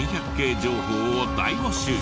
情報を大募集。